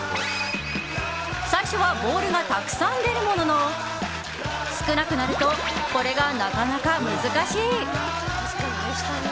最初はボールがたくさん出るものの少なくなるとこれがなかなか難しい。